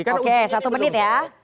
oke satu menit ya